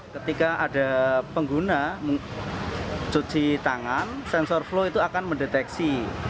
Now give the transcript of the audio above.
ketika ada pengguna cuci tangan sensor flow itu akan mendeteksi